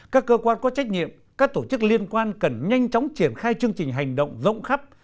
các cơ quan có trách nhiệm các tổ chức liên quan cần nhanh chóng triển khai chương trình hành động rộng khắp